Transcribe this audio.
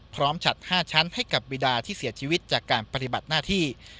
ฉัด๕ชั้นให้กับบิดาที่เสียชีวิตจากการปฏิบัติหน้าที่